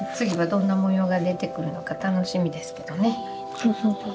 そうそうそう。